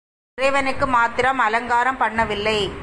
இறைவனுக்கு மாத்திரம் அலங்காரம் பண்ணவில்லை.